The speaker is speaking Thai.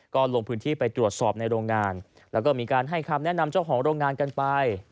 ก็ลงพื้นที่ไปตรวจสอบในโรงงานแล้วก็มีการให้คำแนะนำเจ้าของโรงงานกันไป